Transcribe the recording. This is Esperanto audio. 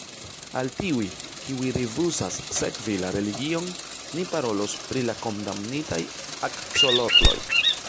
"Al tiuj, kiuj rifuzas sekvi la religion, ni parolos pri la kondamnitaj aksolotloj."